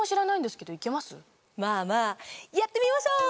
まぁまぁやってみましょう！